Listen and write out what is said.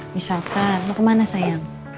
misalkan mau kemana sayang